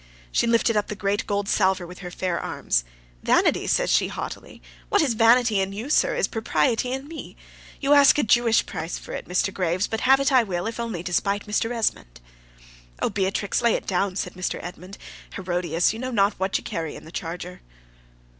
She lifted up the great gold salver with her fair arms. "Vanity!" says she, haughtily. "What is vanity in you, sir, is propriety in me. You ask a Jewish price for it, Mr. Graves; but have it I will, if only to spite Mr. Esmond." "Oh, Beatrix, lay it down!" says Mr. Esmond. "Herodias! you know not what you carry in the charger."